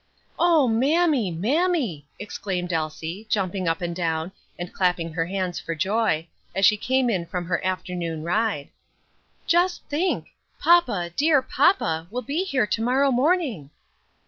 "O mammy, mammy!" exclaimed Elsie, jumping up and down, and clapping her hands for joy, as she came in from her afternoon ride, "just think! papa, dear papa, will be here to morrow morning."